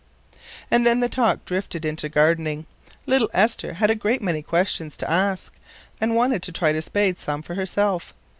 And then the talk drifted into gardening. Little Esther had a great many questions to ask, and wanted to try to spade some for herself.